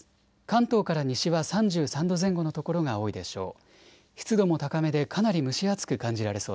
関東から西は３３度前後の所が多いでしょう。